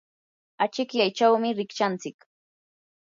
achikyaychawmi rikchanchik.